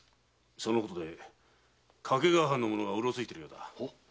そのことで掛川藩の者がうろついているようだ。